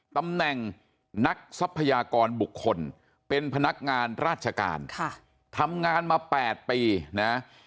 ตำแหน่งนักทรัพยากรบุคคลเป็นพนักงานราชการค่ะทำงานมา๘ปีนะ